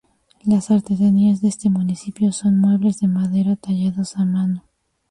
Las artesanías de este municipio son: muebles de madera tallados a mano.